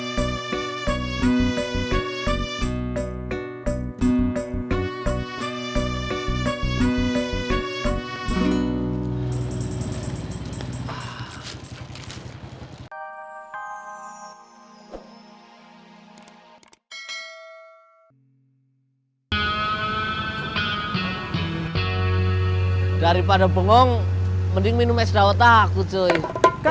sampai jumpa di video selanjutnya